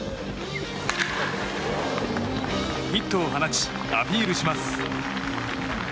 ヒットを放ち、アピールします。